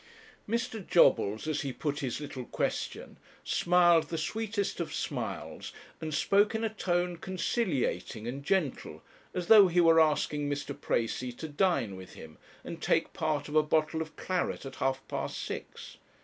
Mr. Jobbles, as he put his little question, smiled the sweetest of smiles, and spoke in a tone conciliating and gentle, as though he were asking Mr. Precis to dine with him and take part of a bottle of claret at half past six.